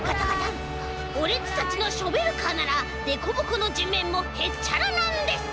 オレっちたちのショベルカーならでこぼこのじめんもへっちゃらなんです！